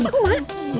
semangat itu kumar